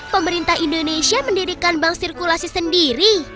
pemerintah indonesia mendirikan bank sirkulasi sendiri